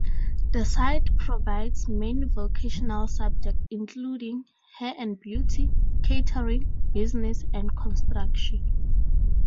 The site provides many vocational subjects including, hair and beauty, catering, business and construction.